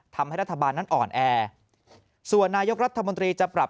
ทำให้รัฐบาลนั้นอ่อนแอส่วนนายกรัฐมนตรีจะปรับ